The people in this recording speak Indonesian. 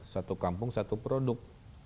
satu kampung satu produk